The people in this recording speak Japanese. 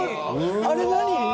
あれ何？